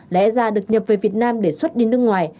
lẽ ra được nhập về việt nam để xuất đi nước ngoài